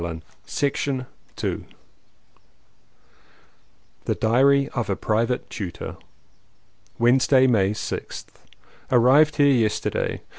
206 II THE DIARY OF A PRIVATE TUTOR Wednesday, May 6th. ARRIVED here yesterday.